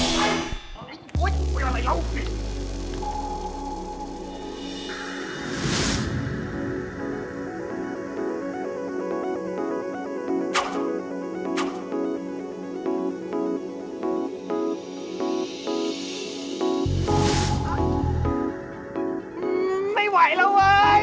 ไม่ไหวแล้ว